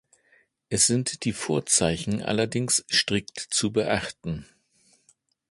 Es sind die Vorzeichen allerdings strikt zu beachten.